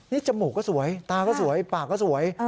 นี่จมูกก็สวยตาก็สวยปากก็สวย